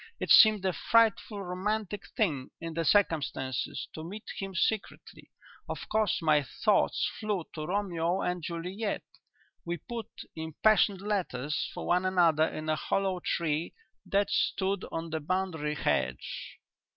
It seemed a frightfully romantic thing in the circumstances to meet him secretly of course my thoughts flew to Romeo and Juliet. We put impassioned letters for one another in a hollow tree that stood on the boundary hedge.